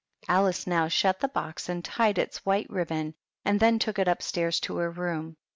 Alice now shut the box and tied its white ribbon, and then took it up etairs into her room.